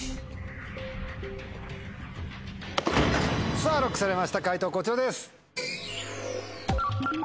さぁＬＯＣＫされました解答こちらです。